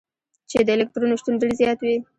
چي د الکترون شتون ډېر زيات وي.